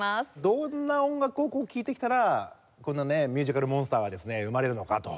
どんな音楽を聴いてきたらこんなミュージカルモンスターが生まれるのかと。